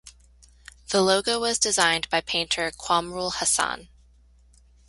The logo was designed by painter Quamrul Hassan.